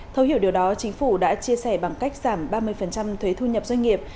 thấu hiểu điều đó chính phủ đã chia sẻ bằng cách giảm ba mươi thuế thu nhập doanh nghiệp